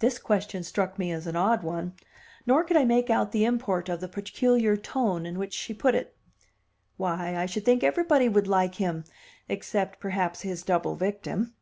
This question struck me as an odd one; nor could I make out the import of the peculiar tone in which she put it. "Why, I should think everybody would like him except, perhaps, his double victim."